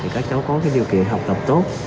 các cháu có điều kiện học tập tốt